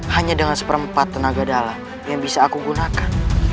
hanya dengan seperempat tenaga dalam yang bisa aku gunakan